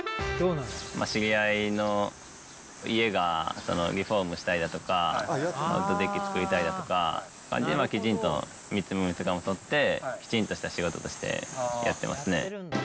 知り合いの家がリフォームしたいだとか、ウッドデッキ作りたいだとか、きちんと見積もりとかも取って、きちんとした仕事としてやってますね。